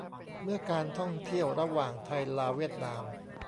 เมื่อการท่องเที่ยวระหว่าง ไทยลาวเวียดนาม